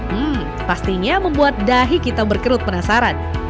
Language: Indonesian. hmm pastinya membuat dahi kita berkerut penasaran